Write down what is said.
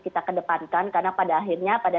kita kedepankan karena pada akhirnya pada